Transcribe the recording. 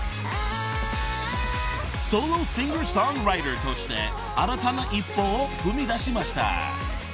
［ソロシンガー・ソングライターとして新たな一歩を踏み出しました］